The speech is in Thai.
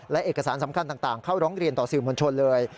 และเอกสารสำคัญต่างเข้าร้องเรียนต่อสื่อมวลชนเลย